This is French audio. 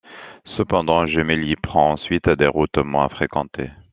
Cependant, Gemelli prend ensuite des routes moins fréquentées.